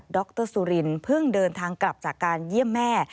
รสุรินเพิ่งเดินทางกลับจากการเยี่ยมแม่